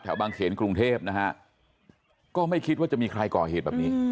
บางเขนกรุงเทพนะฮะก็ไม่คิดว่าจะมีใครก่อเหตุแบบนี้